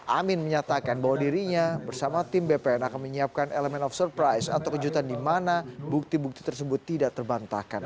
amin menyatakan bahwa dirinya bersama tim bpn akan menyiapkan elemen of surprise atau kejutan di mana bukti bukti tersebut tidak terbantahkan